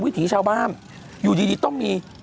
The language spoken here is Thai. ถีชาวบ้านอยู่ดีต้องมี